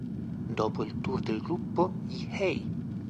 Dopo il tour del gruppo, gli Hey!